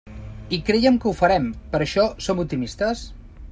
I creiem que ho farem, per això som optimistes.